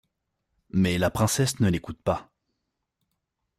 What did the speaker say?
Mais la princesse ne l'écoute pas.